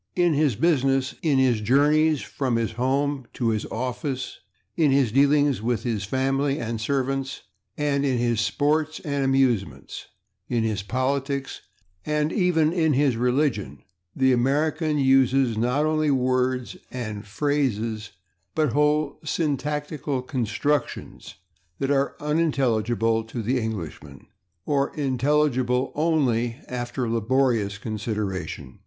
In his business, in his journeys from his home to his office, in his dealings with his family and servants, in his sports and amusements, in his politics and even in his religion the American uses, not only words and phrases, but whole syntactical constructions, that are unintelligible to the Englishman, or intelligible only after laborious consideration.